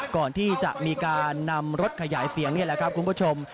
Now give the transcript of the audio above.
ก่อนที่จะมีการนำรถขยายเสียงนี่แหละครับคุณผู้ชม